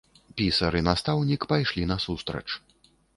Пісар і настаўнік пайшлі насустрач.